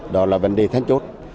đó là vấn đề thanh chốt